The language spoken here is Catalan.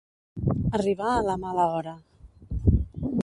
Arribar a la mala hora.